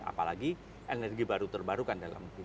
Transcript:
apalagi energi baru terbarukan dalam